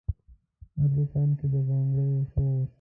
هر دکان کې د بنګړیو شور،